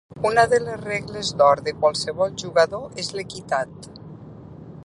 Una de les regles d'or de qualsevol jugador és l'equitat.